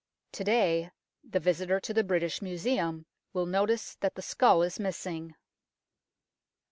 To day, the visitor to the British Museum will notice that the skull is missing.